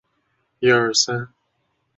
加速医疗院所工程